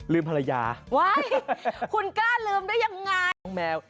ลืมภรรยาว้ายคุณกล้าลืมได้ยังไง